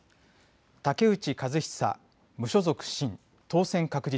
武内和久、無所属、新当選確実。